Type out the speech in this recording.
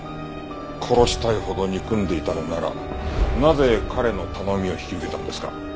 殺したいほど憎んでいたのならなぜ彼の頼みを引き受けたんですか？